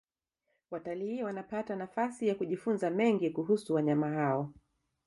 watalii wanapata nafasi ya kujifunza mengi kuhusu wanyama hao